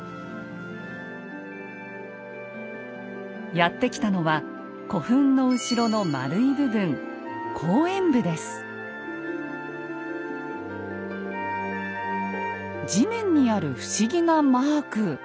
やって来たのは古墳の後ろの円い部分地面にある不思議なマーク。